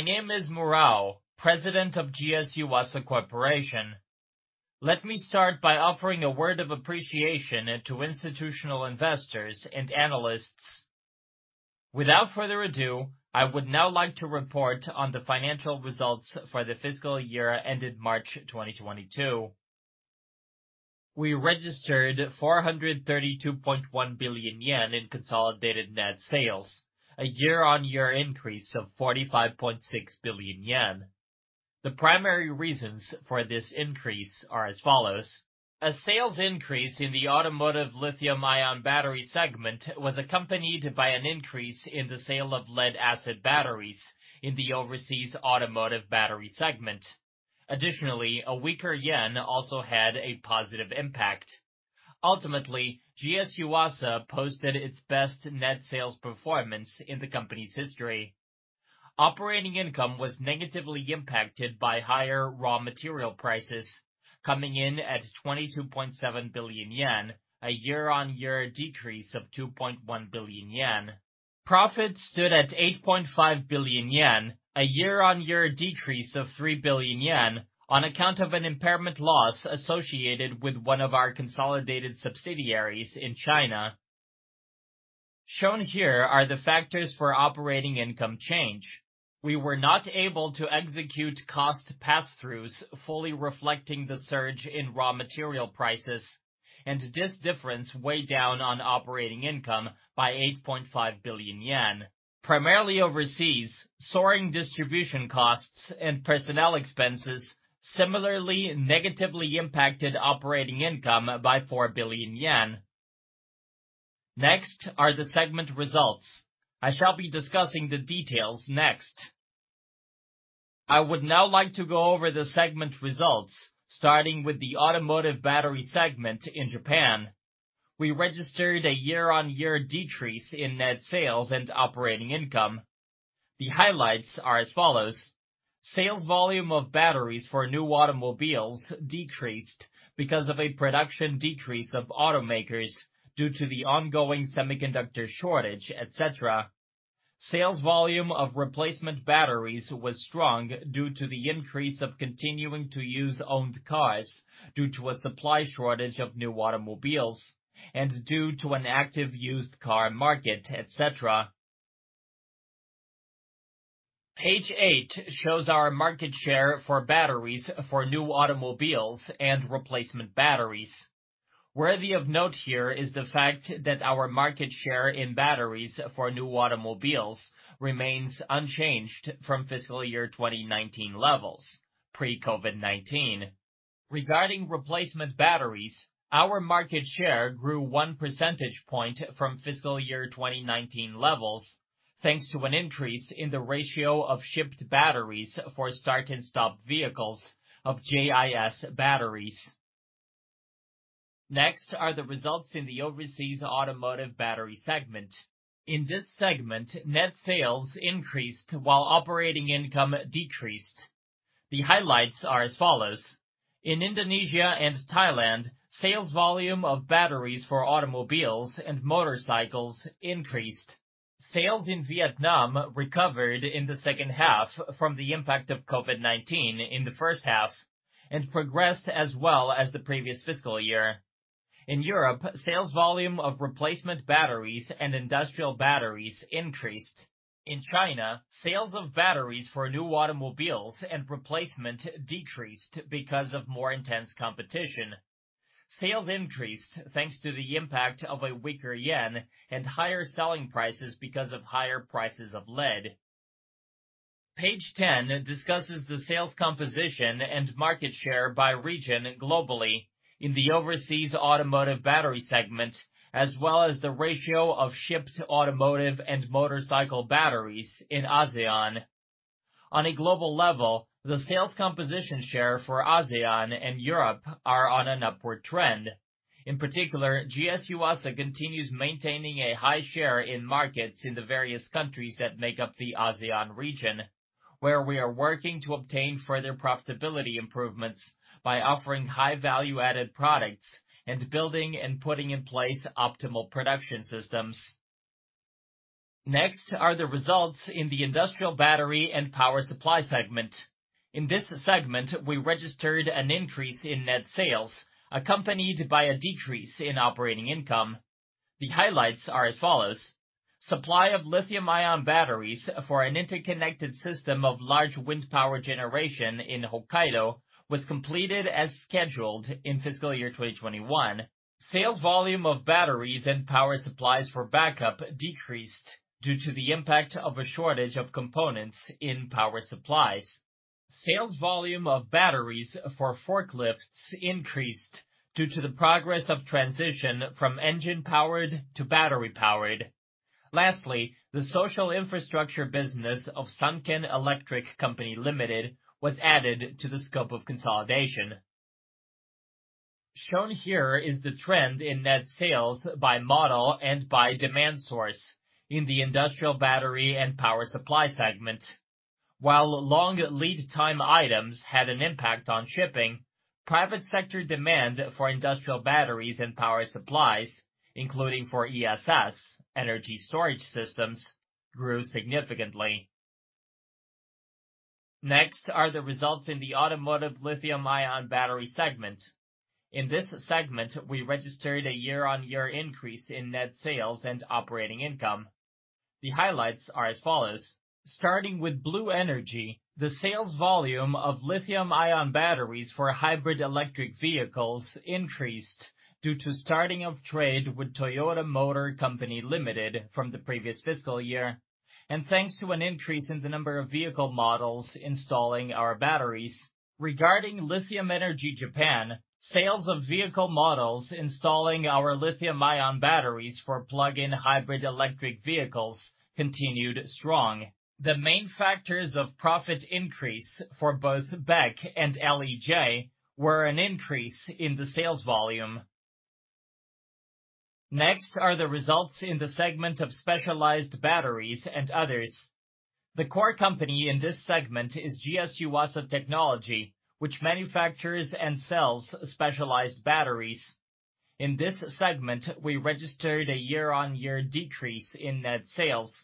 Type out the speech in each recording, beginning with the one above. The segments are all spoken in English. My name is Murao, President of GS Yuasa Corporation. Let me start by offering a word of appreciation to institutional investors and analysts. Without further ado, I would now like to report on the financial results for the fiscal year ended March 2022. We registered 432.1 billion yen in consolidated net sales, a year-on-year increase of 45.6 billion yen. The primary reasons for this increase are as follows. A sales increase in the automotive lithium-ion battery segment was accompanied by an increase in the sale of lead-acid batteries in the overseas automotive battery segment. Additionally, a weaker yen also had a positive impact. Ultimately, GS Yuasa posted its best net sales performance in the company's history. Operating income was negatively impacted by higher raw material prices, coming in at 22.7 billion yen, a year-on-year decrease of 2.1 billion yen. Profit stood at 8.5 billion yen, a year-on-year decrease of 3 billion yen on account of an impairment loss associated with one of our consolidated subsidiaries in China. Shown here are the factors for operating income change. We were not able to execute cost passthroughs fully reflecting the surge in raw material prices, and this difference weighed down on operating income by 8.5 billion yen. Primarily overseas, soaring distribution costs and personnel expenses similarly negatively impacted operating income by 4 billion yen. Next are the segment results. I shall be discussing the details next. I would now like to go over the segment results, starting with the automotive battery segment in Japan. We registered a year-on-year decrease in net sales and operating income. The highlights are as follows. Sales volume of batteries for new automobiles decreased because of a production decrease of automakers due to the ongoing semiconductor shortage, etc. Sales volume of replacement batteries was strong due to the increase of continuing to use owned cars due to a supply shortage of new automobiles and due to an active used car market, etc. Page eight shows our market share for batteries for new automobiles and replacement batteries. Worthy of note here is the fact that our market share in batteries for new automobiles remains unchanged from fiscal year 2019 levels, pre-COVID-19. Regarding replacement batteries, our market share grew one percentage point from fiscal year 2019 levels, thanks to an increase in the ratio of shipped batteries for start and stop vehicles of JIS batteries. Next are the results in the overseas automotive battery segment. In this segment, net sales increased while operating income decreased. The highlights are as follows. In Indonesia and Thailand, sales volume of batteries for automobiles and motorcycles increased. Sales in Vietnam recovered in the second half from the impact of COVID-19 in the first half and progressed as well as the previous fiscal year. In Europe, sales volume of replacement batteries and industrial batteries increased. In China, sales of batteries for new automobiles and replacement decreased because of more intense competition. Sales increased thanks to the impact of a weaker yen and higher selling prices because of higher prices of lead. Page 10 discusses the sales composition and market share by region globally in the overseas automotive battery segment, as well as the ratio of shipped automotive and motorcycle batteries in ASEAN. On a global level, the sales composition share for ASEAN and Europe are on an upward trend. In particular, GS Yuasa continues maintaining a high share in markets in the various countries that make up the ASEAN region, where we are working to obtain further profitability improvements by offering high value-added products and building and putting in place optimal production systems. Next are the results in the industrial battery and power supply segment. In this segment, we registered an increase in net sales, accompanied by a decrease in operating income. The highlights are as follows. Supply of lithium-ion batteries for an interconnected system of large wind power generation in Hokkaido was completed as scheduled in fiscal year 2021. Sales volume of batteries and power supplies for backup decreased due to the impact of a shortage of components in power supplies. Sales volume of batteries for forklifts increased due to the progress of transition from engine-powered to battery-powered. Lastly, the social infrastructure business of Sanken Electric Co., Ltd. was added to the scope of consolidation. Shown here is the trend in net sales by model and by demand source in the industrial battery and power supply segment. While long lead time items had an impact on shipping. Private sector demand for industrial batteries and power supplies, including for ESS, energy storage systems, grew significantly. Next are the results in the automotive lithium-ion battery segment. In this segment, we registered a year-on-year increase in net sales and operating income. The highlights are as follows: Starting with Blue Energy, the sales volume of lithium-ion batteries for hybrid electric vehicles increased due to starting of trade with Toyota Motor Corporation from the previous fiscal year, and thanks to an increase in the number of vehicle models installing our batteries. Regarding Lithium Energy Japan, sales of vehicle models installing our lithium-ion batteries for plug-in hybrid electric vehicles continued strong. The main factors of profit increase for both BEC and LEJ were an increase in the sales volume. Next are the results in the segment of specialized batteries and others. The core company in this segment is GS Yuasa Technology, which manufactures and sells specialized batteries. In this segment, we registered a year-on-year decrease in net sales,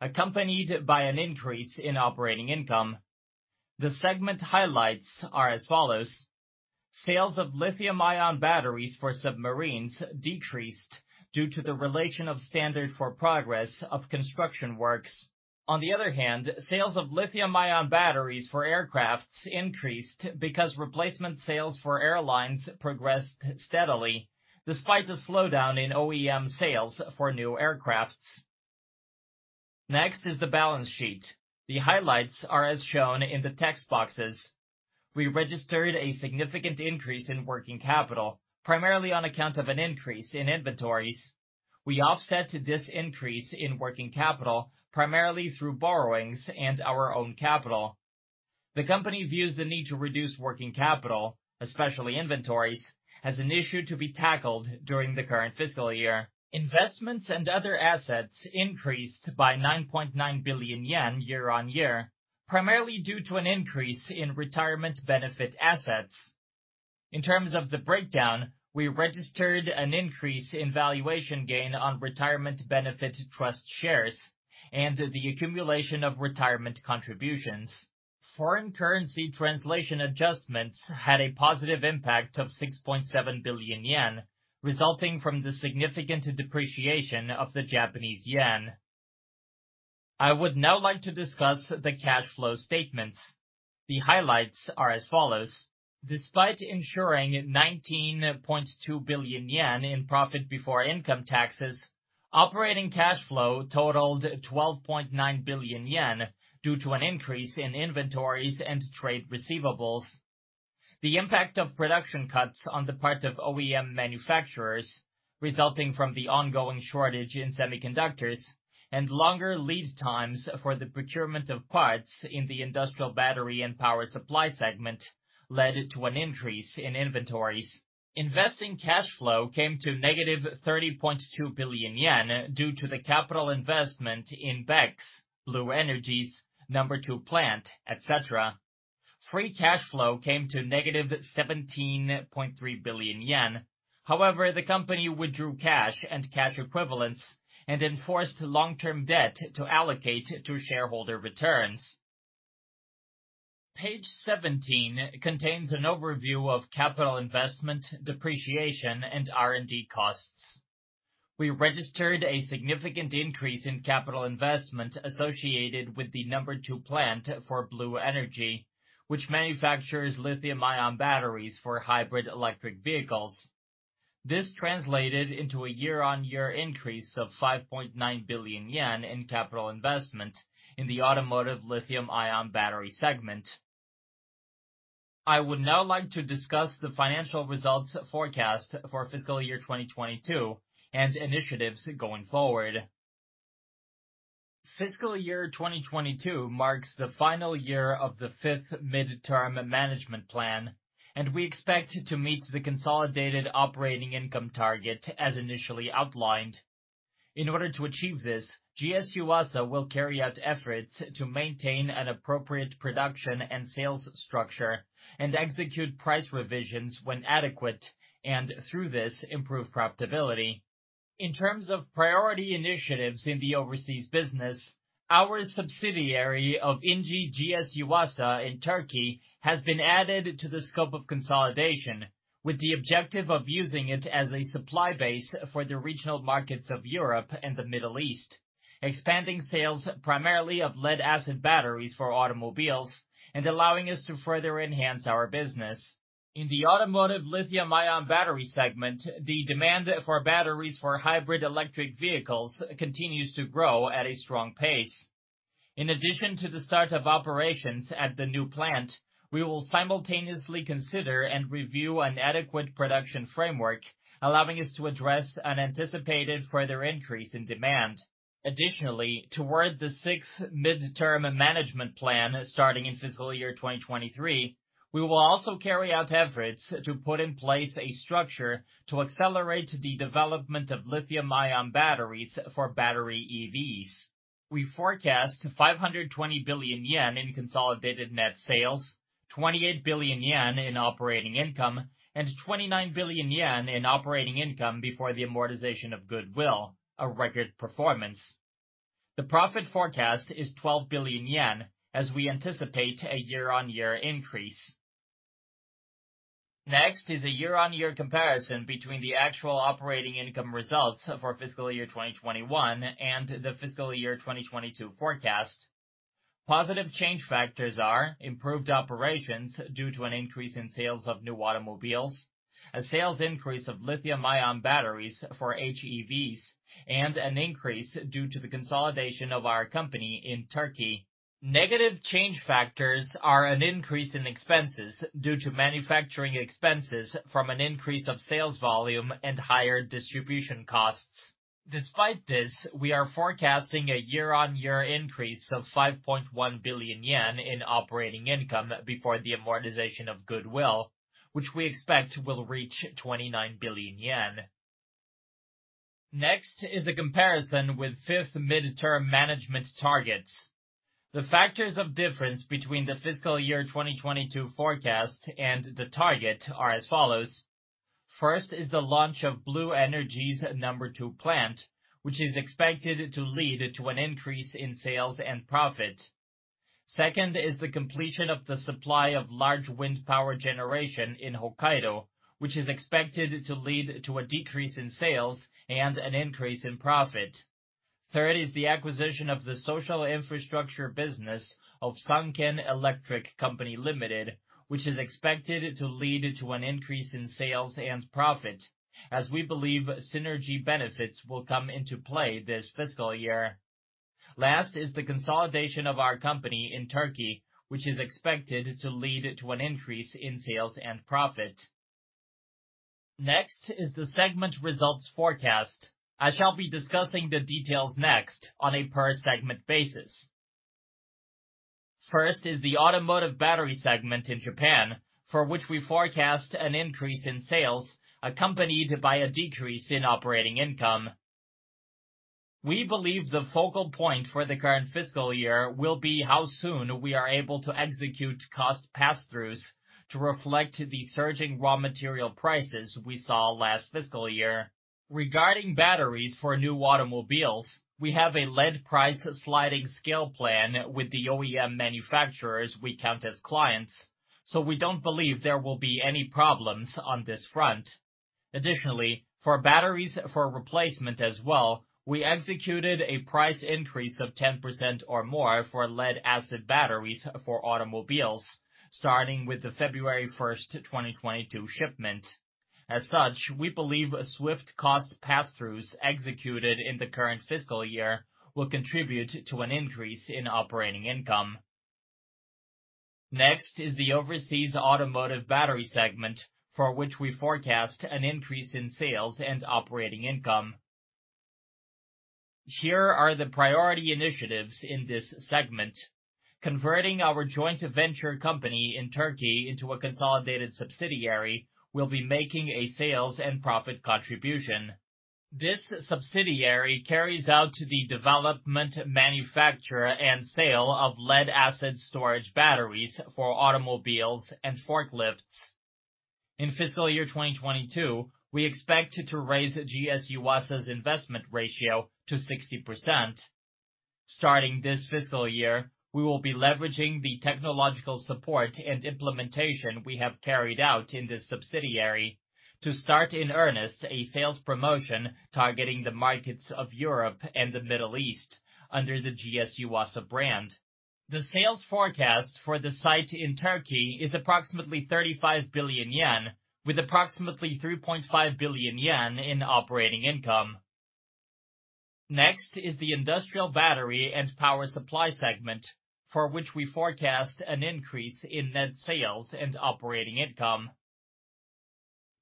accompanied by an increase in operating income. The segment highlights are as follows: Sales of lithium-ion batteries for submarines decreased due to the relaxation of standards for progress of construction works. On the other hand, sales of lithium-ion batteries for aircraft increased because replacement sales for airlines progressed steadily despite a slowdown in OEM sales for new aircraft. Next is the balance sheet. The highlights are as shown in the text boxes. We registered a significant increase in working capital, primarily on account of an increase in inventories. We offset this increase in working capital primarily through borrowings and our own capital. The company views the need to reduce working capital, especially inventories, as an issue to be tackled during the current fiscal year. Investments and other assets increased by 9.9 billion yen year-on-year, primarily due to an increase in retirement benefit assets. In terms of the breakdown, we registered an increase in valuation gain on retirement benefit trust shares and the accumulation of retirement contributions. Foreign currency translation adjustments had a positive impact of 6.7 billion yen, resulting from the significant depreciation of the Japanese yen. I would now like to discuss the cash flow statements. The highlights are as follows. Despite ensuring 19.2 billion yen in profit before income taxes, operating cash flow totaled 12.9 billion yen due to an increase in inventories and trade receivables. The impact of production cuts on the part of OEM manufacturers resulting from the ongoing shortage in semiconductors and longer lead times for the procurement of parts in the industrial battery and power supply segment led to an increase in inventories. Investing cash flow came to -30.2 billion yen due to the capital investment in Blue Energy's number two plant, et cetera. Free cash flow came to -17.3 billion yen. However, the company withdrew cash and cash equivalents and enforced long-term debt to allocate to shareholder returns. Page 17 contains an overview of capital investment, depreciation, and R&D costs. We registered a significant increase in capital investment associated with the number two plant for Blue Energy, which manufactures lithium-ion batteries for hybrid electric vehicles. This translated into a year-on-year increase of 5.9 billion yen in capital investment in the automotive lithium-ion battery segment. I would now like to discuss the financial results forecast for fiscal year 2022 and initiatives going forward. Fiscal year 2022 marks the final year of the fifth midterm management plan, and we expect to meet the consolidated operating income target as initially outlined. In order to achieve this, GS Yuasa will carry out efforts to maintain an appropriate production and sales structure and execute price revisions when adequate, and through this, improve profitability. In terms of priority initiatives in the overseas business, our subsidiary of İnci GS Yuasa in Turkey has been added to the scope of consolidation, with the objective of using it as a supply base for the regional markets of Europe and the Middle East, expanding sales primarily of lead-acid batteries for automobiles, and allowing us to further enhance our business. In the automotive lithium-ion battery segment, the demand for batteries for hybrid electric vehicles continues to grow at a strong pace. In addition to the start of operations at the new plant, we will simultaneously consider and review an adequate production framework, allowing us to address an anticipated further increase in demand. Additionally, toward the sixth midterm management plan starting in fiscal year 2023, we will also carry out efforts to put in place a structure to accelerate the development of lithium-ion batteries for battery EVs. We forecast to 520 billion yen in consolidated net sales, 28 billion yen in operating income, and 28 billion yen in operating income before the amortization of goodwill, a record performance. The profit forecast is 12 billion yen, as we anticipate a year-on-year increase. Next is a year-on-year comparison between the actual operating income results for fiscal year 2021 and the fiscal year 2022 forecast. Positive change factors are improved operations due to an increase in sales of new automobiles, a sales increase of lithium-ion batteries for HEVs, and an increase due to the consolidation of our company in Turkey. Negative change factors are an increase in expenses due to manufacturing expenses from an increase of sales volume and higher distribution costs. Despite this, we are forecasting a year-on-year increase of 5.1 billion yen in operating income before the amortization of goodwill, which we expect will reach 29 billion yen. Next is a comparison with fifth midterm management targets. The factors of difference between the fiscal year 2022 forecast and the target are as follows. First is the launch of Blue Energy's No. 2 plant, which is expected to lead to an increase in sales and profit. Second is the completion of the supply of large wind power generation in Hokkaido, which is expected to lead to a decrease in sales and an increase in profit. Third is the acquisition of the social infrastructure business of Sanken Electric Co., Ltd., which is expected to lead to an increase in sales and profit as we believe synergy benefits will come into play this fiscal year. Last is the consolidation of our company in Turkey, which is expected to lead to an increase in sales and profit. Next is the segment results forecast. I shall be discussing the details next on a per segment basis. First is the automotive battery segment in Japan, for which we forecast an increase in sales accompanied by a decrease in operating income. We believe the focal point for the current fiscal year will be how soon we are able to execute cost passthroughs to reflect the surging raw material prices we saw last fiscal year. Regarding batteries for new automobiles, we have a lead price sliding scale plan with the OEM manufacturers we count as clients, so we don't believe there will be any problems on this front. Additionally, for batteries for replacement as well, we executed a price increase of 10% or more for lead-acid batteries for automobiles, starting with the February 1st, 2022 shipment. As such, we believe swift cost passthroughs executed in the current fiscal year will contribute to an increase in operating income. Next is the overseas automotive battery segment, for which we forecast an increase in sales and operating income. Here are the priority initiatives in this segment. Converting our joint venture company in Turkey into a consolidated subsidiary will be making a sales and profit contribution. This subsidiary carries out the development, manufacture, and sale of lead-acid storage batteries for automobiles and forklifts. In fiscal year 2022, we expect to raise GS Yuasa's investment ratio to 60%. Starting this fiscal year, we will be leveraging the technological support and implementation we have carried out in this subsidiary to start in earnest a sales promotion targeting the markets of Europe and the Middle East under the GS Yuasa brand. The sales forecast for the site in Turkey is approximately 35 billion yen with approximately 3.5 billion yen in operating income. Next is the industrial battery and power supply segment, for which we forecast an increase in net sales and operating income.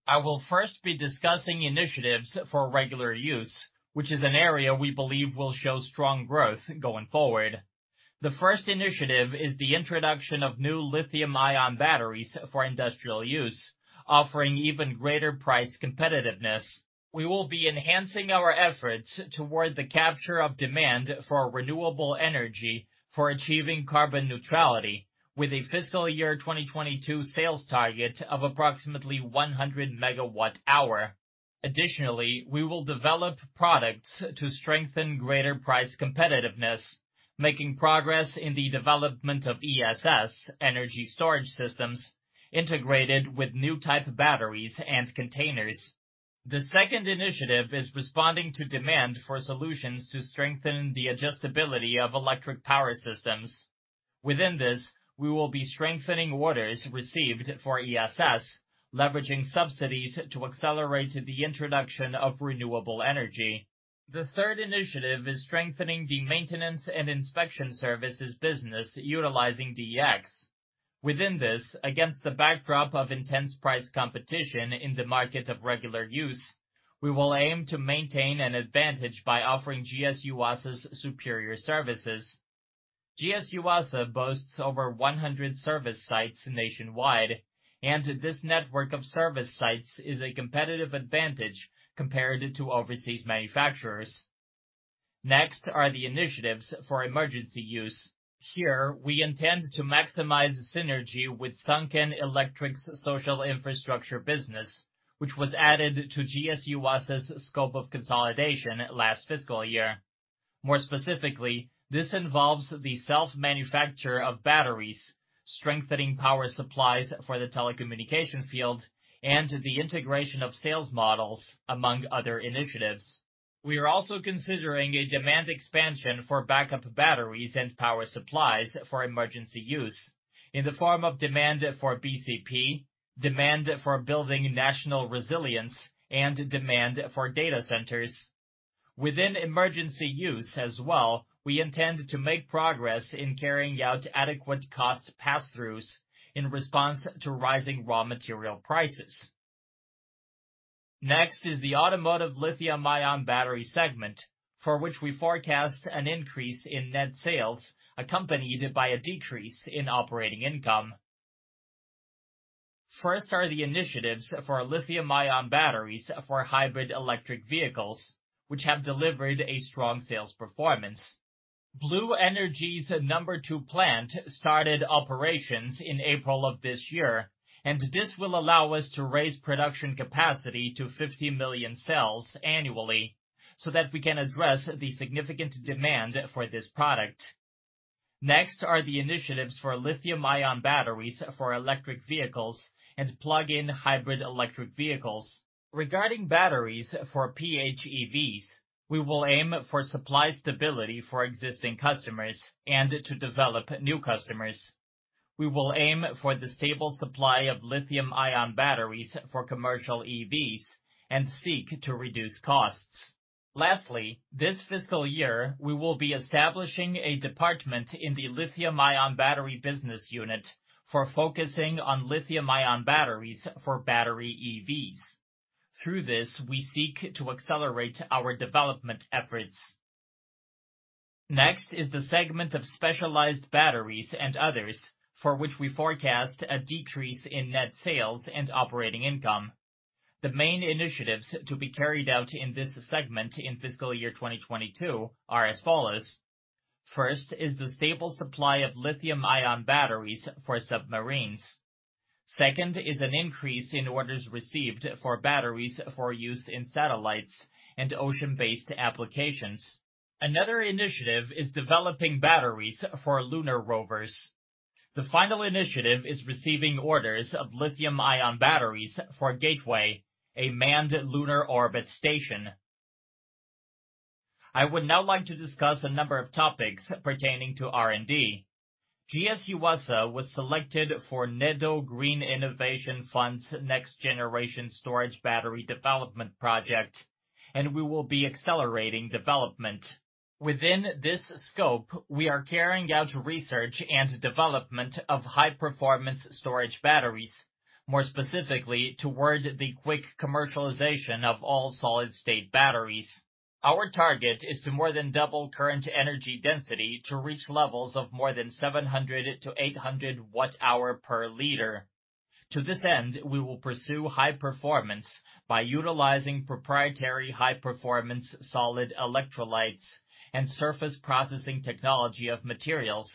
I will first be discussing initiatives for regular use, which is an area we believe will show strong growth going forward. The first initiative is the introduction of new lithium-ion batteries for industrial use, offering even greater price competitiveness. We will be enhancing our efforts toward the capture of demand for renewable energy for achieving carbon neutrality with a fiscal year 2022 sales target of approximately 100 MWh. Additionally, we will develop products to strengthen greater price competitiveness, making progress in the development of ESS, energy storage systems, integrated with new type batteries and containers. The second initiative is responding to demand for solutions to strengthen the adjustability of electric power systems. Within this, we will be strengthening orders received for ESS, leveraging subsidies to accelerate the introduction of renewable energy. The third initiative is strengthening the maintenance and inspection services business utilizing DX. Within this, against the backdrop of intense price competition in the market of regular use, we will aim to maintain an advantage by offering GS Yuasa's superior services. GS Yuasa boasts over 100 service sites nationwide, and this network of service sites is a competitive advantage compared to overseas manufacturers. Next are the initiatives for emergency use. Here, we intend to maximize synergy with Sanken Electric's social infrastructure business, which was added to GS Yuasa's scope of consolidation last fiscal year. More specifically, this involves the self-manufacture of batteries, strengthening power supplies for the telecommunication field, and the integration of sales models, among other initiatives. We are also considering a demand expansion for backup batteries and power supplies for emergency use in the form of demand for BCP, demand for building national resilience, and demand for data centers. Within emergency use as well, we intend to make progress in carrying out adequate cost passthroughs in response to rising raw material prices. Next is the automotive lithium-ion battery segment, for which we forecast an increase in net sales accompanied by a decrease in operating income. First are the initiatives for lithium-ion batteries for hybrid electric vehicles, which have delivered a strong sales performance. Blue Energy's number two plant started operations in April of this year, and this will allow us to raise production capacity to 50 million cells annually so that we can address the significant demand for this product. Next are the initiatives for lithium-ion batteries for electric vehicles and plug-in hybrid electric vehicles. Regarding batteries for PHEVs, we will aim for supply stability for existing customers and to develop new customers. We will aim for the stable supply of lithium-ion batteries for commercial EVs and seek to reduce costs. Lastly, this fiscal year, we will be establishing a department in the lithium-ion battery business unit for focusing on lithium-ion batteries for battery EVs. Through this, we seek to accelerate our development efforts. Next is the segment of specialized batteries and others, for which we forecast a decrease in net sales and operating income. The main initiatives to be carried out in this segment in fiscal year 2022 are as follows. First is the stable supply of lithium-ion batteries for submarines. Second is an increase in orders received for batteries for use in satellites and ocean-based applications. Another initiative is developing batteries for lunar rovers. The final initiative is receiving orders of lithium-ion batteries for Gateway, a manned lunar orbit station. I would now like to discuss a number of topics pertaining to R&D. GS Yuasa was selected for NEDO Green Innovation Fund's next-generation storage battery development project, and we will be accelerating development. Within this scope, we are carrying out research and development of high-performance storage batteries, more specifically toward the quick commercialization of all-solid-state batteries. Our target is to more than double current energy density to reach levels of more than 700-800 watt-hour per liter. To this end, we will pursue high performance by utilizing proprietary high-performance solid electrolytes and surface processing technology of materials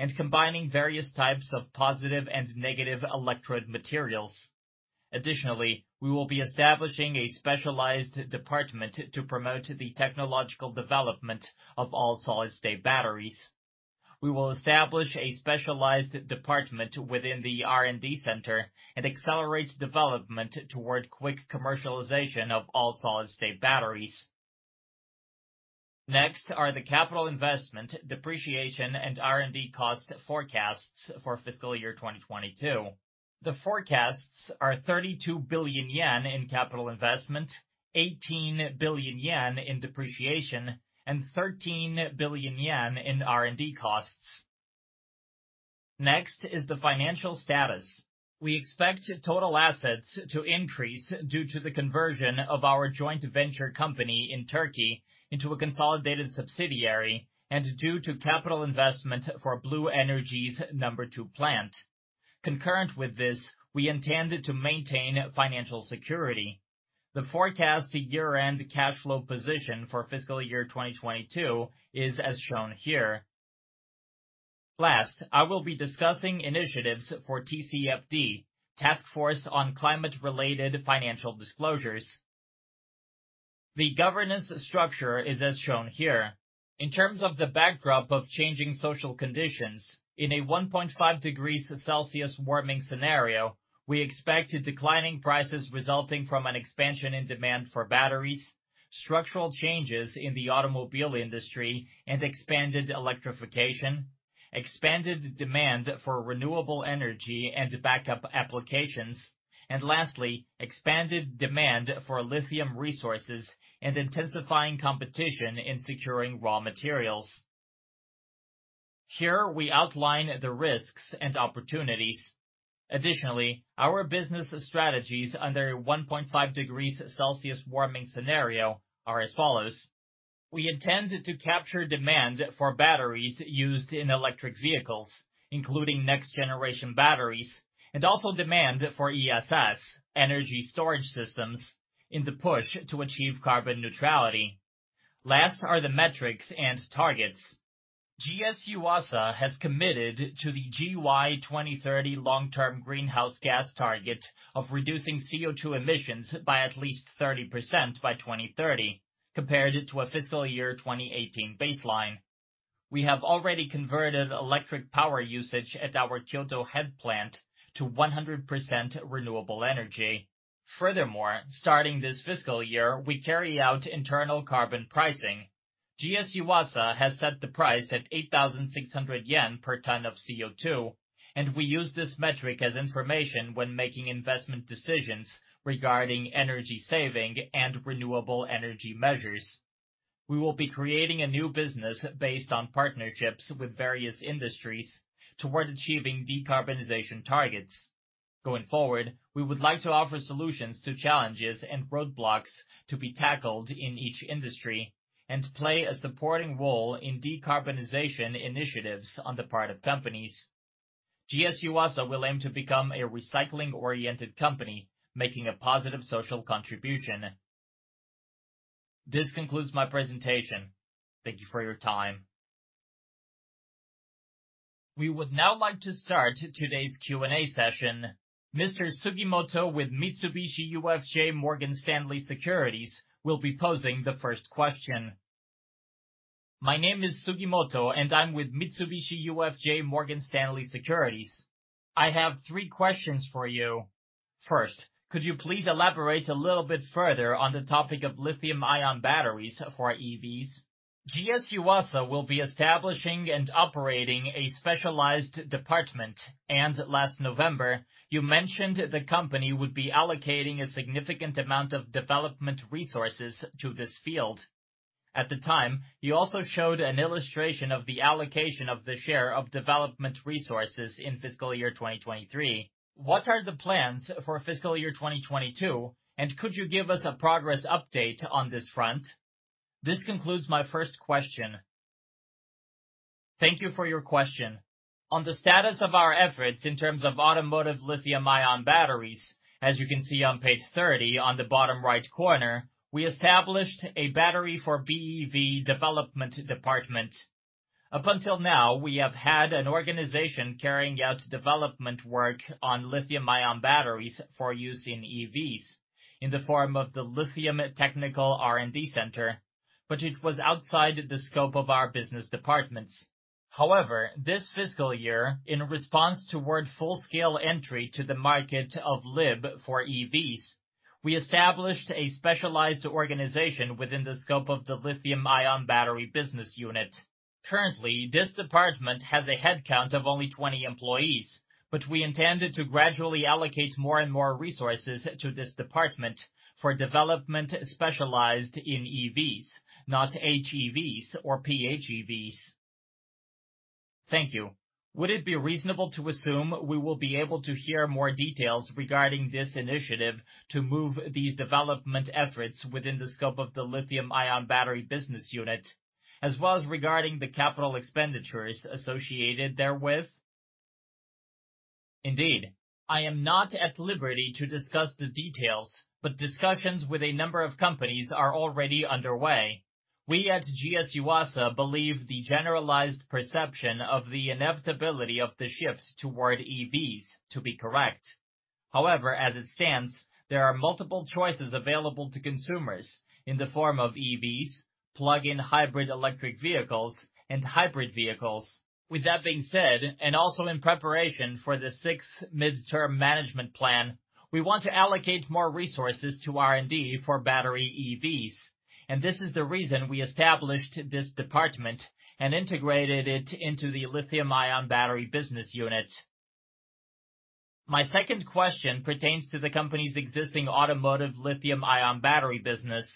and combining various types of positive and negative electrode materials. Additionally, we will be establishing a specialized department to promote the technological development of all-solid-state batteries. We will establish a specialized department within the R&D center and accelerate development toward quick commercialization of all-solid-state batteries. Next are the capital investment, depreciation, and R&D cost forecasts for fiscal year 2022. The forecasts are 32 billion yen in capital investment, 18 billion yen in depreciation, and 13 billion yen in R&D costs. Next is the financial status. We expect total assets to increase due to the conversion of our joint venture company in Turkey into a consolidated subsidiary and due to capital investment for Blue Energy's No. 2 plant. Concurrent with this, we intended to maintain financial security. The forecast to year-end cash flow position for fiscal year 2022 is as shown here. Last, I will be discussing initiatives for TCFD, Task Force on Climate-related Financial Disclosures. The governance structure is as shown here. In terms of the backdrop of changing social conditions, in a 1.5 degrees Celsius warming scenario, we expect declining prices resulting from an expansion in demand for batteries, structural changes in the automobile industry and expanded electrification, expanded demand for renewable energy and backup applications, and lastly, expanded demand for lithium resources and intensifying competition in securing raw materials. Here, we outline the risks and opportunities. Additionally, our business strategies under 1.5 degrees Celsius warming scenario are as follows: We intend to capture demand for batteries used in electric vehicles, including next generation batteries, and also demand for ESS, energy storage systems, in the push to achieve carbon neutrality. Last are the metrics and targets. GS Yuasa has committed to the GY 2030 long-term greenhouse gas target of reducing CO2 emissions by at least 30% by 2030 compared to a fiscal year 2018 baseline. We have already converted electric power usage at our Kyoto head plant to 100% renewable energy. Furthermore, starting this fiscal year, we carry out internal carbon pricing. GS Yuasa has set the price at 8,600 yen per ton of CO2, and we use this metric as information when making investment decisions regarding energy saving and renewable energy measures. We will be creating a new business based on partnerships with various industries toward achieving decarbonization targets. Going forward, we would like to offer solutions to challenges and roadblocks to be tackled in each industry and play a supporting role in decarbonization initiatives on the part of companies. GS Yuasa will aim to become a recycling-oriented company, making a positive social contribution. This concludes my presentation. Thank you for your time. We would now like to start today's Q&A session. Mr. Sugimoto with Mitsubishi UFJ Morgan Stanley Securities Co., Ltd. will be posing the first question. My name is Sugimoto, and I'm with Mitsubishi UFJ Morgan Stanley Securities Co., Ltd. I have three questions for you. First, could you please elaborate a little bit further on the topic of lithium-ion batteries for EVs? GS Yuasa will be establishing and operating a specialized department, and last November, you mentioned the company would be allocating a significant amount of development resources to this field. At the time, you also showed an illustration of the allocation of the share of development resources in fiscal year 2023. What are the plans for fiscal year 2022, and could you give us a progress update on this front? This concludes my first question. Thank you for your question. On the status of our efforts in terms of automotive lithium-ion batteries, as you can see on page 30 on the bottom right corner, we established a battery for BEV development department. Up until now, we have had an organization carrying out development work on lithium-ion batteries for use in EVs in the form of the Lithium Technical R&D Center, but it was outside the scope of our business departments. However, this fiscal year, in response to full-scale entry to the market of LIB for EVs, we established a specialized organization within the scope of the lithium-ion battery business unit. Currently, this department has a headcount of only 20 employees, but we intended to gradually allocate more and more resources to this department for development specialized in EVs, not HEVs or PHEVs. Thank you. Would it be reasonable to assume we will be able to hear more details regarding this initiative to move these development efforts within the scope of the lithium-ion battery business unit, as well as regarding the capital expenditures associated therewith? Indeed. I am not at liberty to discuss the details, but discussions with a number of companies are already underway. We at GS Yuasa believe the generalized perception of the inevitability of the shifts toward EVs to be correct. However, as it stands, there are multiple choices available to consumers in the form of EVs, plug-in hybrid electric vehicles, and hybrid vehicles. With that being said, and also in preparation for the sixth midterm management plan, we want to allocate more resources to R&D for battery EVs, and this is the reason we established this department and integrated it into the lithium-ion battery business unit. My second question pertains to the company's existing automotive lithium-ion battery business.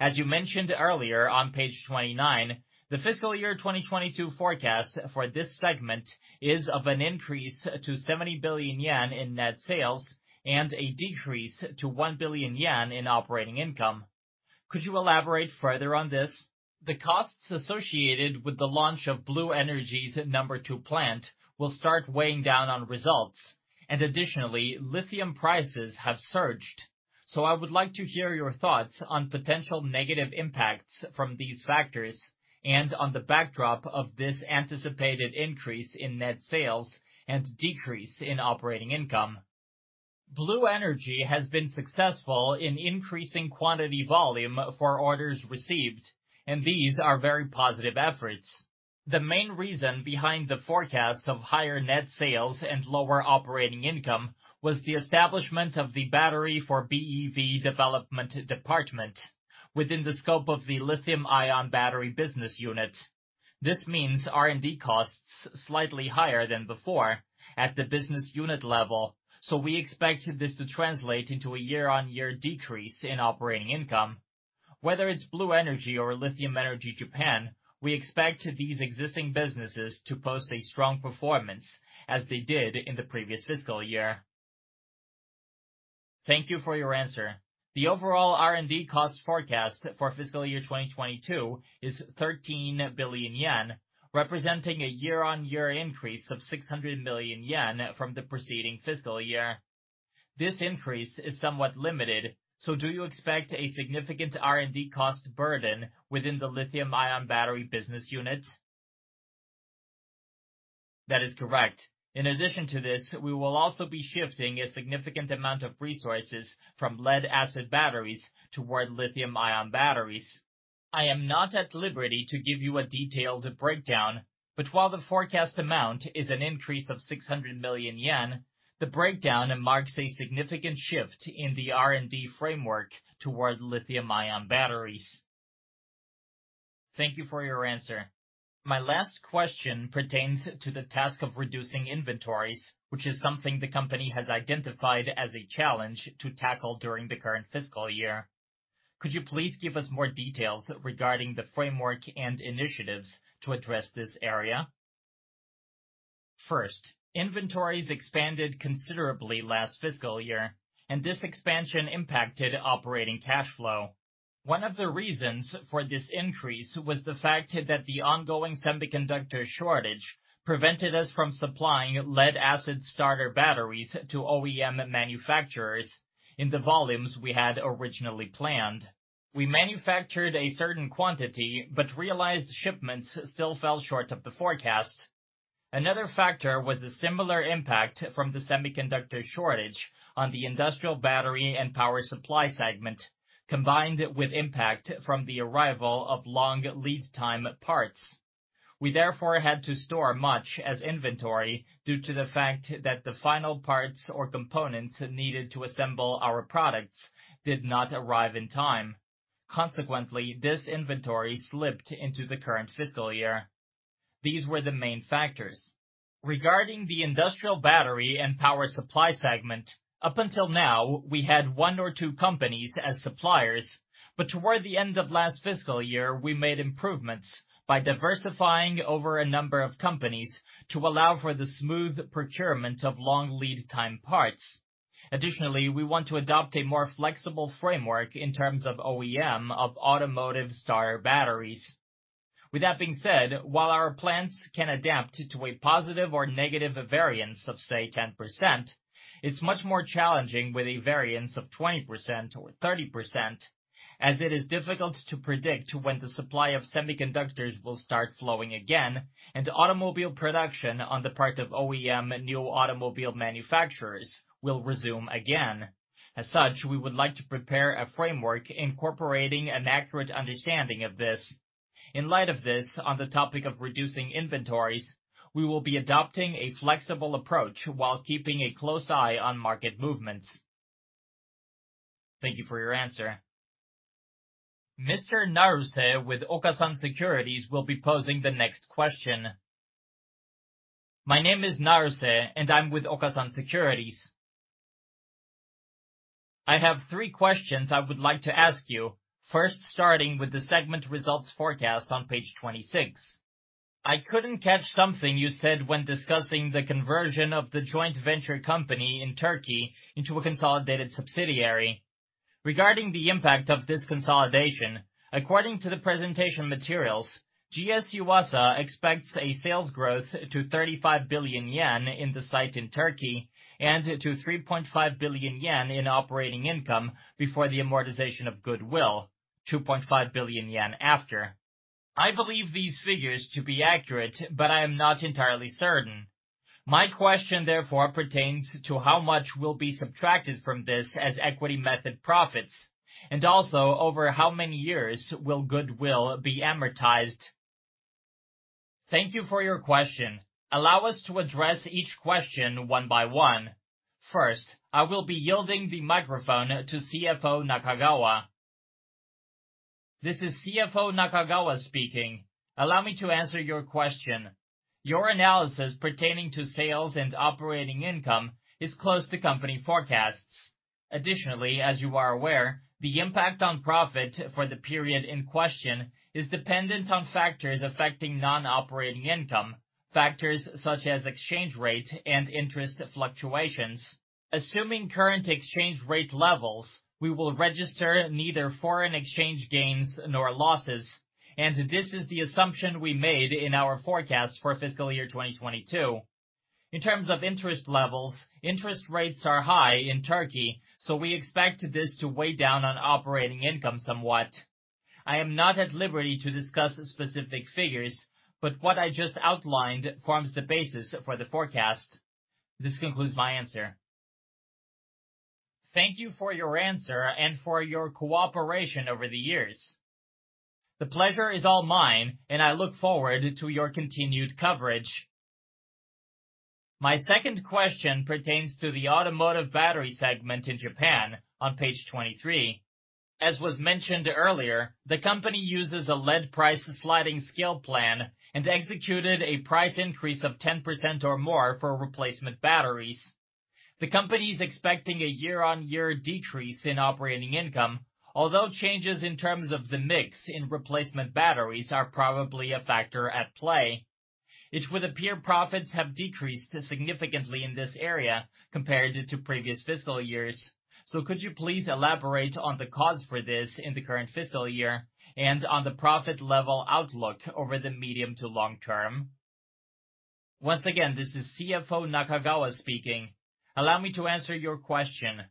As you mentioned earlier on page 29, the fiscal year 2022 forecast for this segment is of an increase to 70 billion yen in net sales and a decrease to 1 billion yen in operating income. Could you elaborate further on this? The costs associated with the launch of Blue Energy's number 2 plant will start weighing down on results, and additionally, lithium prices have surged. I would like to hear your thoughts on potential negative impacts from these factors and on the backdrop of this anticipated increase in net sales and decrease in operating income. Blue Energy has been successful in increasing quantity volume for orders received, and these are very positive efforts. The main reason behind the forecast of higher net sales and lower operating income was the establishment of the battery for BEV development department within the scope of the lithium-ion battery business unit. This means R&D costs slightly higher than before at the business unit level, so we expect this to translate into a year-on-year decrease in operating income. Whether it's Blue Energy or Lithium Energy Japan, we expect these existing businesses to post a strong performance as they did in the previous fiscal year. Thank you for your answer. The overall R&D cost forecast for fiscal year 2022 is 13 billion yen, representing a year-on-year increase of 600 million yen from the preceding fiscal year. This increase is somewhat limited, so do you expect a significant R&D cost burden within the lithium-ion battery business unit? That is correct. In addition to this, we will also be shifting a significant amount of resources from lead-acid batteries toward lithium-ion batteries. I am not at liberty to give you a detailed breakdown, but while the forecast amount is an increase of 600 million yen, the breakdown marks a significant shift in the R&D framework toward lithium-ion batteries. Thank you for your answer. My last question pertains to the task of reducing inventories, which is something the company has identified as a challenge to tackle during the current fiscal year. Could you please give us more details regarding the framework and initiatives to address this area? First, inventories expanded considerably last fiscal year, and this expansion impacted operating cash flow. One of the reasons for this increase was the fact that the ongoing semiconductor shortage prevented us from supplying lead-acid starter batteries to OEM manufacturers in the volumes we had originally planned. We manufactured a certain quantity, but realized shipments still fell short of the forecast. Another factor was a similar impact from the semiconductor shortage on the industrial battery and power supply segment, combined with impact from the arrival of long lead time parts. We therefore had to store it as inventory due to the fact that the final parts or components needed to assemble our products did not arrive in time. Consequently, this inventory slipped into the current fiscal year. These were the main factors. Regarding the industrial battery and power supply segment, up until now, we had one or two companies as suppliers, but toward the end of last fiscal year, we made improvements by diversifying over a number of companies to allow for the smooth procurement of long lead time parts. Additionally, we want to adopt a more flexible framework in terms of OEM of automotive starter batteries. With that being said, while our plants can adapt to a positive or negative variance of, say, 10%, it's much more challenging with a variance of 20% or 30%, as it is difficult to predict when the supply of semiconductors will start flowing again and automobile production on the part of OEM new automobile manufacturers will resume again. As such, we would like to prepare a framework incorporating an accurate understanding of this. In light of this, on the topic of reducing inventories, we will be adopting a flexible approach while keeping a close eye on market movements. Thank you for your answer. Mr. Naruse with Okasan Securities will be posing the next question. My name is Naruse, and I'm with Okasan Securities. I have three questions I would like to ask you. First, starting with the segment results forecast on page 26. I couldn't catch something you said when discussing the conversion of the joint venture company in Turkey into a consolidated subsidiary. Regarding the impact of this consolidation, according to the presentation materials, GS Yuasa expects a sales growth to 35 billion yen in the site in Turkey and to 3.5 billion yen in operating income before the amortization of goodwill, 2.5 billion yen after. I believe these figures to be accurate, but I am not entirely certain. My question therefore pertains to how much will be subtracted from this as equity method profits, and also over how many years will goodwill be amortized? Thank you for your question. Allow us to address each question one by one. First, I will be yielding the microphone to CFO Nakagawa. This is CFO Nakagawa speaking. Allow me to answer your question. Your analysis pertaining to sales and operating income is close to company forecasts. Additionally, as you are aware, the impact on profit for the period in question is dependent on factors affecting non-operating income, factors such as exchange rate and interest fluctuations. Assuming current exchange rate levels, we will register neither foreign exchange gains nor losses, and this is the assumption we made in our forecast for fiscal year 2022. In terms of interest levels, interest rates are high in Turkey, so we expect this to weigh down on operating income somewhat. I am not at liberty to discuss specific figures, but what I just outlined forms the basis for the forecast. This concludes my answer. Thank you for your answer and for your cooperation over the years. The pleasure is all mine, and I look forward to your continued coverage. My second question pertains to the automotive battery segment in Japan on page 23. As was mentioned earlier, the company uses a lead price sliding scale plan and executed a price increase of 10% or more for replacement batteries. The company's expecting a year-on-year decrease in operating income. Although changes in terms of the mix in replacement batteries are probably a factor at play, it would appear profits have decreased significantly in this area compared to previous fiscal years. Could you please elaborate on the cause for this in the current fiscal year and on the profit level outlook over the medium to long term? Once again, this is CFO Nakagawa speaking. Allow me to answer your question.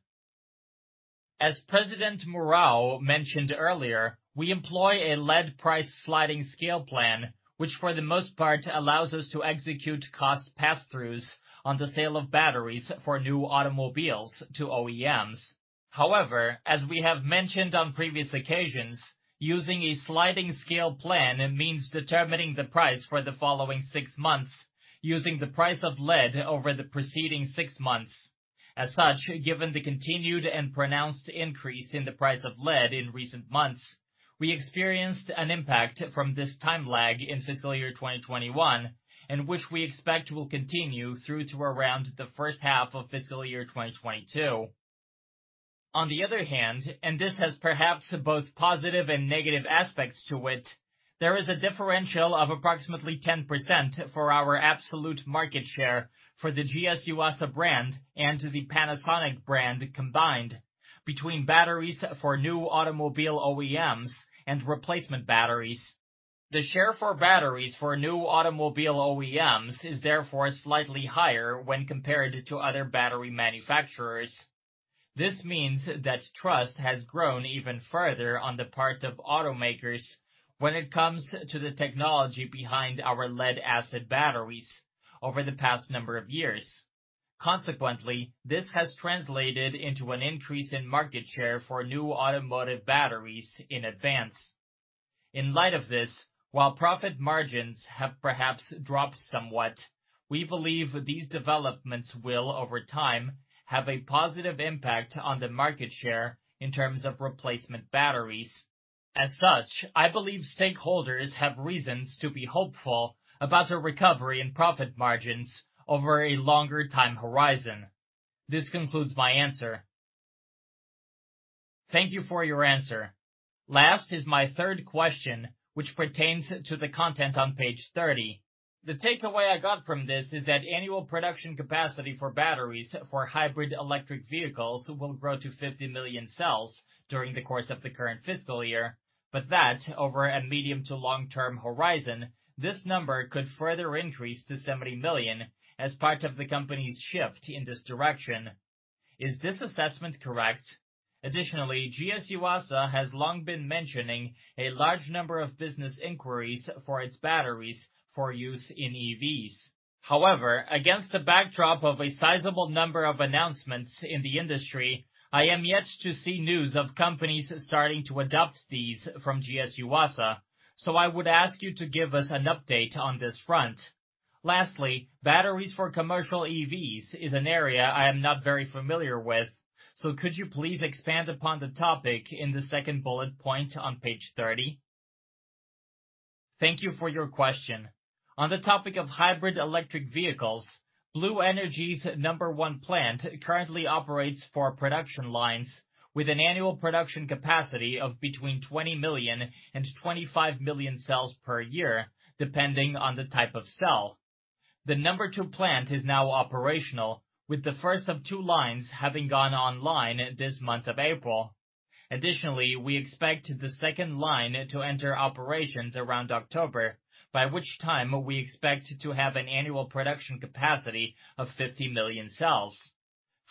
As President Murao mentioned earlier, we employ a lead price sliding scale plan, which for the most part allows us to execute cost pass-throughs on the sale of batteries for new automobiles to OEMs. However, as we have mentioned on previous occasions, using a sliding scale plan means determining the price for the following six months using the price of lead over the preceding six months. As such, given the continued and pronounced increase in the price of lead in recent months, we experienced an impact from this time lag in fiscal year 2021, and which we expect will continue through to around the first half of fiscal year 2022. On the other hand, and this has perhaps both positive and negative aspects to it, there is a differential of approximately 10% for our absolute market share for the GS Yuasa brand and to the Panasonic brand combined between batteries for new automobile OEMs and replacement batteries. The share for batteries for new automobile OEMs is therefore slightly higher when compared to other battery manufacturers. This means that trust has grown even further on the part of automakers when it comes to the technology behind our lead-acid batteries over the past number of years. Consequently, this has translated into an increase in market share for new automotive batteries in advance. In light of this, while profit margins have perhaps dropped somewhat, we believe these developments will, over time, have a positive impact on the market share in terms of replacement batteries. As such, I believe stakeholders have reasons to be hopeful about a recovery in profit margins over a longer time horizon. This concludes my answer. Thank you for your answer. Last is my third question, which pertains to the content on page 30. The takeaway I got from this is that annual production capacity for batteries for hybrid electric vehicles will grow to 50 million cells during the course of the current fiscal year. That over a medium to long-term horizon, this number could further increase to 70 million as part of the company's shift in this direction. Is this assessment correct? Additionally, GS Yuasa has long been mentioning a large number of business inquiries for its batteries for use in EVs. However, against the backdrop of a sizable number of announcements in the industry, I am yet to see news of companies starting to adopt these from GS Yuasa, so I would ask you to give us an update on this front. Lastly, batteries for commercial EVs is an area I am not very familiar with, so could you please expand upon the topic in the second bullet point on page 30? Thank you for your question. On the topic of hybrid electric vehicles, Blue Energy's number one plant currently operates four production lines with an annual production capacity of between 20 million and 25 million cells per year, depending on the type of cell. The number two plant is now operational, with the first of two lines having gone online this month of April. Additionally, we expect the second line to enter operations around October, by which time we expect to have an annual production capacity of 50 million cells.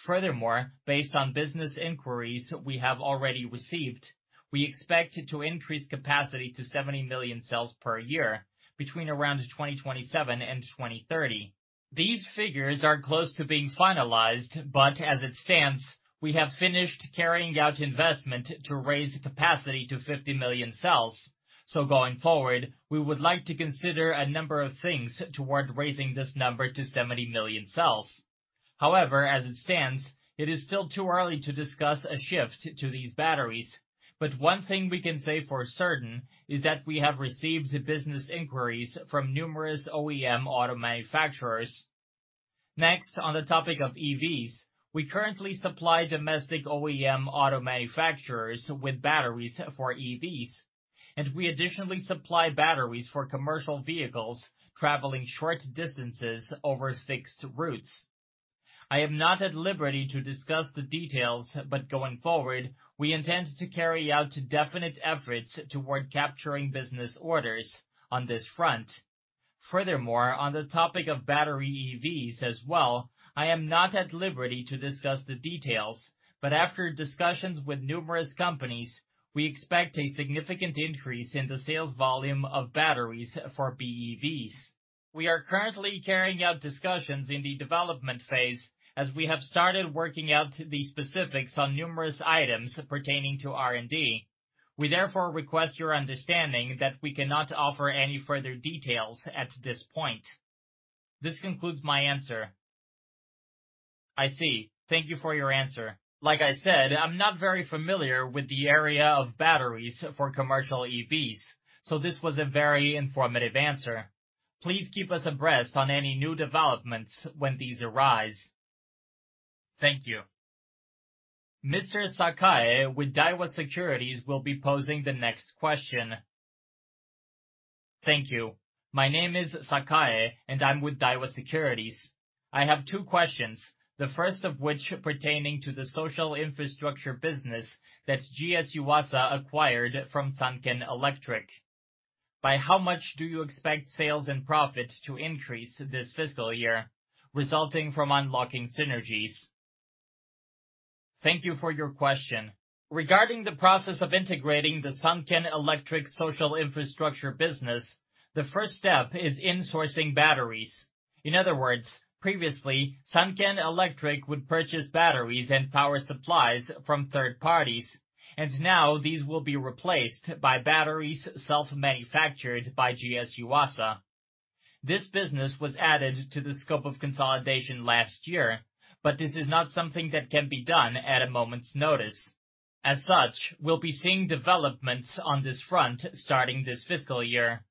Furthermore, based on business inquiries we have already received, we expect to increase capacity to 70 million cells per year between around 2027 and 2030. These figures are close to being finalized, but as it stands, we have finished carrying out investment to raise capacity to 50 million cells. Going forward, we would like to consider a number of things toward raising this number to 70 million cells. However, as it stands, it is still too early to discuss a shift to these batteries. One thing we can say for certain is that we have received business inquiries from numerous OEM auto manufacturers. Next, on the topic of EVs, we currently supply domestic OEM auto manufacturers with batteries for EVs, and we additionally supply batteries for commercial vehicles traveling short distances over fixed routes. I am not at liberty to discuss the details, but going forward, we intend to carry out definite efforts toward capturing business orders on this front. Furthermore, on the topic of battery EVs as well, I am not at liberty to discuss the details, but after discussions with numerous companies, we expect a significant increase in the sales volume of batteries for BEVs. We are currently carrying out discussions in the development phase as we have started working out the specifics on numerous items pertaining to R&D. We therefore request your understanding that we cannot offer any further details at this point. This concludes my answer. I see. Thank you for your answer. Like I said, I'm not very familiar with the area of batteries for commercial EVs, so this was a very informative answer. Please keep us abreast on any new developments when these arise. Thank you. Mr. Sakae with Daiwa Securities will be posing the next question. Thank you. My name is Sakae, and I'm with Daiwa Securities. I have two questions, the first of which pertaining to the social infrastructure business that GS Yuasa acquired from Sanken Electric. By how much do you expect sales and profit to increase this fiscal year resulting from unlocking synergies? Thank you for your question. Regarding the process of integrating the Sanken Electric social infrastructure business, the first step is insourcing batteries. In other words, previously, Sanken Electric would purchase batteries and power supplies from third parties, and now these will be replaced by batteries self-manufactured by GS Yuasa. This business was added to the scope of consolidation last year, but this is not something that can be done at a moment's notice. As such, we'll be seeing developments on this front starting this fiscal year.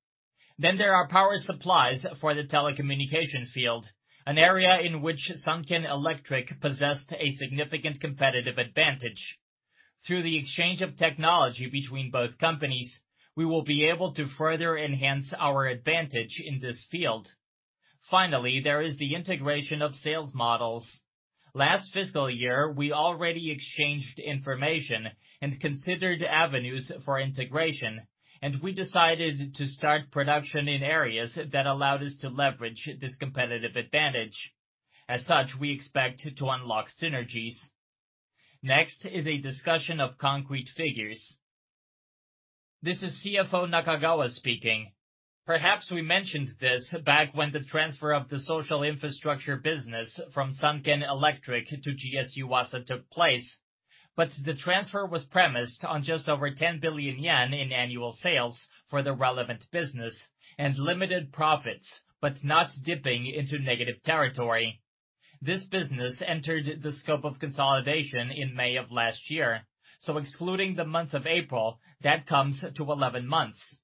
There are power supplies for the telecommunication field, an area in which Sanken Electric possessed a significant competitive advantage. Through the exchange of technology between both companies, we will be able to further enhance our advantage in this field. Finally, there is the integration of sales models. Last fiscal year, we already exchanged information and considered avenues for integration, and we decided to start production in areas that allowed us to leverage this competitive advantage. As such, we expect to unlock synergies. Next is a discussion of concrete figures. This is CFO Nakagawa speaking. Perhaps we mentioned this back when the transfer of the social infrastructure business from Sanken Electric to GS Yuasa took place, but the transfer was premised on just over 10 billion yen in annual sales for the relevant business and limited profits, but not dipping into negative territory. This business entered the scope of consolidation in May of last year, so excluding the month of April, that comes to 11 months.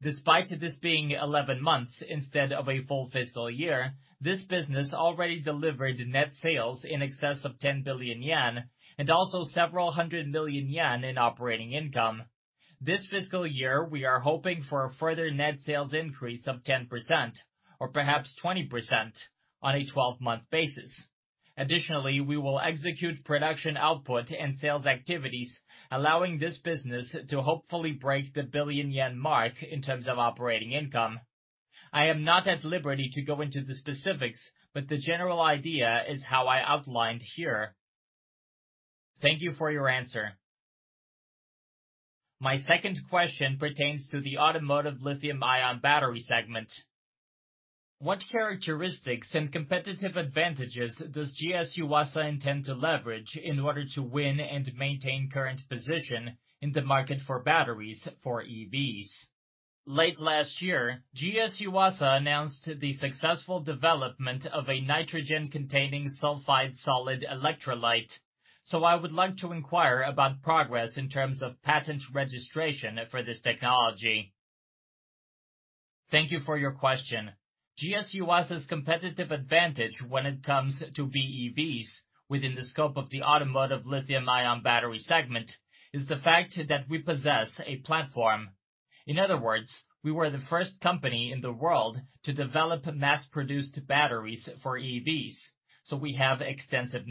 Despite this being 11 months instead of a full fiscal year, this business already delivered net sales in excess of 10 billion yen and also several hundred million JPY in operating income. This fiscal year, we are hoping for a further net sales increase of 10% or perhaps 20% on a 12-month basis. Additionally, we will execute production output and sales activities, allowing this business to hopefully break the 1 billion yen mark in terms of operating income. I am not at liberty to go into the specifics, but the general idea is how I outlined here. Thank you for your answer. My second question pertains to the automotive lithium-ion battery segment. What characteristics and competitive advantages does GS Yuasa intend to leverage in order to win and maintain current position in the market for batteries for EVs? Late last year, GS Yuasa announced the successful development of a nitrogen-containing sulfide solid electrolyte, so I would like to inquire about progress in terms of patent registration for this technology. Thank you for your question. GS Yuasa's competitive advantage when it comes to BEVs within the scope of the automotive lithium-ion battery segment is the fact that we possess a platform. In other words, we were the first company in the world to develop mass-produced batteries for EVs, so we have extensive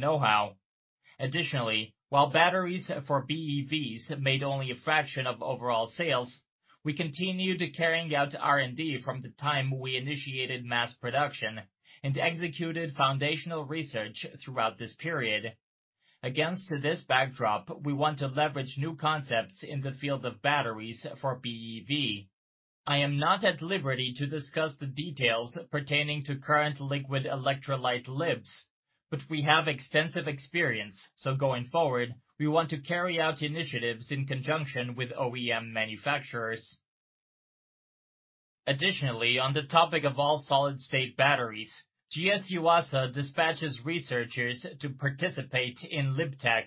know-how. Additionally, while batteries for BEVs made only a fraction of overall sales, we continued carrying out R&D from the time we initiated mass production and executed foundational research throughout this period. Against this backdrop, we want to leverage new concepts in the field of batteries for BEV. I am not at liberty to discuss the details pertaining to current liquid electrolyte LIBs, but we have extensive experience, so going forward, we want to carry out initiatives in conjunction with OEM manufacturers. Additionally, on the topic of all-solid-state batteries, GS Yuasa dispatches researchers to participate in LIBTEC,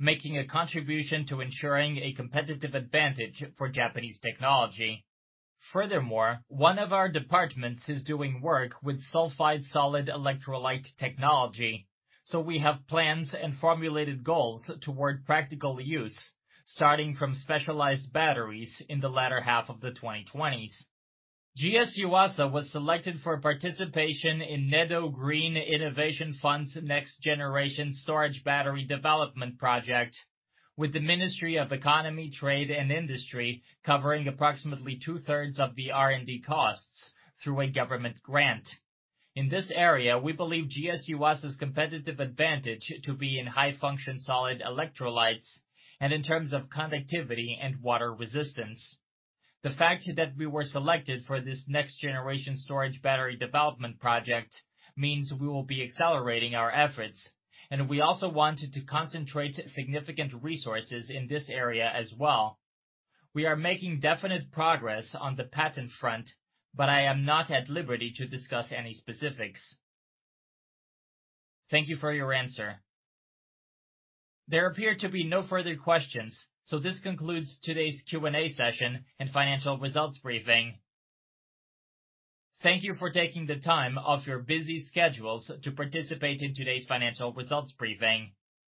making a contribution to ensuring a competitive advantage for Japanese technology. Furthermore, one of our departments is doing work with sulfide solid electrolyte technology, so we have plans and formulated goals toward practical use, starting from specialized batteries in the latter half of the 2020s. GS Yuasa was selected for participation in NEDO Green Innovation Fund's next-generation storage battery development project, with the Ministry of Economy, Trade, and Industry covering approximately two-thirds of the R&D costs through a government grant. In this area, we believe GS Yuasa's competitive advantage to be in high-function solid electrolytes and in terms of conductivity and water resistance. The fact that we were selected for this next-generation storage battery development project means we will be accelerating our efforts, and we also want to concentrate significant resources in this area as well. We are making definite progress on the patent front, but I am not at liberty to discuss any specifics. Thank you for your answer. There appear to be no further questions, so this concludes today's Q&A session and financial results briefing. Thank you for taking the time off your busy schedules to participate in today's financial results briefing.